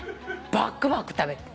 バックバク食べて。